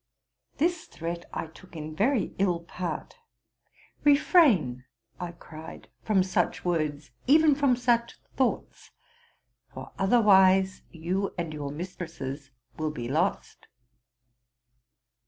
'' This threat I took in very ill part. Refrain,''? I eried, '* from such words, even from such thoughts ; for otherwise you and your mistresses will be lost.